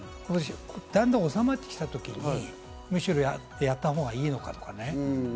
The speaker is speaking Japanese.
だんだん収まってきたときにむしろやったほうがいいのかとかね。